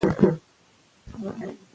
تاسو په موزیلا کې برخه اخیستل غواړئ؟